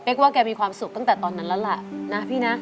กว่าแกมีความสุขตั้งแต่ตอนนั้นแล้วล่ะนะพี่นะ